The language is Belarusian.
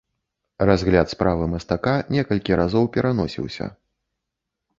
Разгляд справы мастака некалькі разоў пераносіўся.